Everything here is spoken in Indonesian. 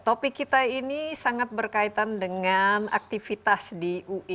topik kita ini sangat berkaitan dengan aktivitas di ui